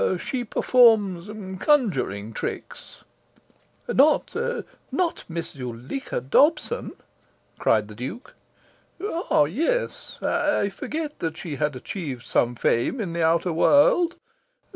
She performs conjuring tricks." "Not not Miss Zuleika Dobson?" cried the Duke. "Ah yes. I forgot that she had achieved some fame in the outer world.